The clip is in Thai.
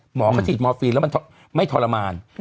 หมอเขาฉีดมอร์ฟีนแล้วมันไม่ทรมาน